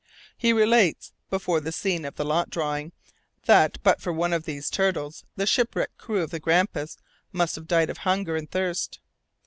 He relates, before the scene of the lot drawing, that but for one of these turtles the shipwrecked crew of the Grampus must have died of hunger and thirst.